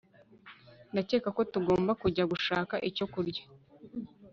ndakeka ko tugomba kujya gushaka icyo kurya